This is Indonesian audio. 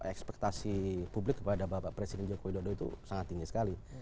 ekspektasi publik kepada bapak presiden joko widodo itu sangat tinggi sekali